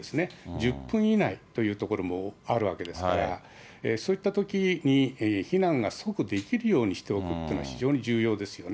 １０分以内という所もあるわけですから、そういったときに避難が即できるようにしておくというのは、非常に重要ですよね。